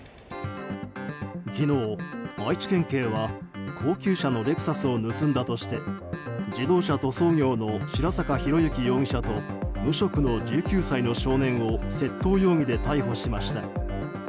昨日、愛知県警は高級車のレクサスを盗んだとして自動車塗装業の白坂浩幸容疑者と無職の１９歳の少年を窃盗容疑で逮捕しました。